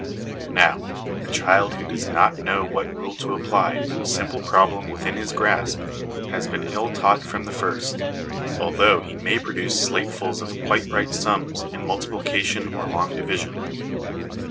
Now, a child who does not know what rule to apply to a simple problem within his grasp, has been ill taught from the first, although he may produce slatefuls of quite right sums in multiplication or long division.